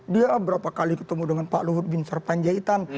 dia berapa kali ketemu dengan pak luhut bin sarpanjaitan